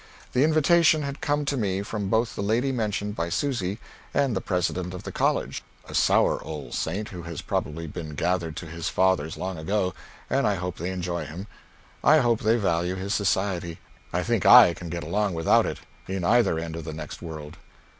The invitation had come to me from both the lady mentioned by Susy and the President of the College a sour old saint who has probably been gathered to his fathers long ago; and I hope they enjoy him; I hope they value his society. I think I can get along without it, in either end of the next world.